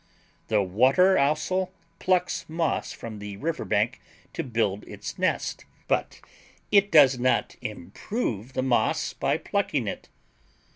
The water ousel plucks moss from the riverbank to build its nest, but is does not improve the moss by plucking it.